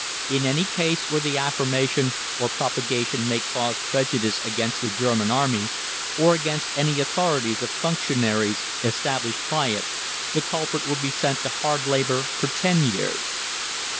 In any case where the affirmation or propagation may cause prejudice against the German Army, or against any authorities or functionaries established by it, the culprit will be sent to hard labour for ten years.